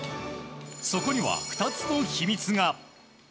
そこには２つの秘密が。